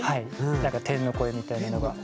なんか天の声みたいなのが。